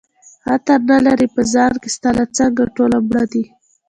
عطر نه لري په ځان کي ستا له څنګه ټوله مړه دي